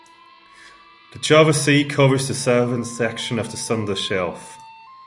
The Java Sea covers the southern section of the Sunda Shelf.